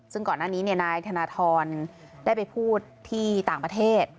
ซึ่งก่อนหน้านี้นายธนทรได้ไปพูดที่ต่างประเทศ